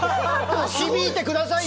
響いてくださいよ！